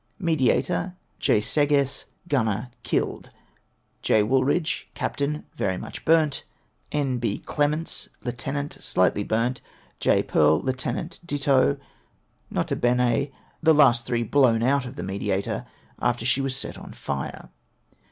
Mediator, J. Segess, Gunner; killed. J. Wooldridge, Capt. ; very much burnt. N. B. Clements, Lieut. ; slightly burnt. J. Pearl, Lieut. ; ditto. N.B. The last three blown out of the Mediator after she was set on fire.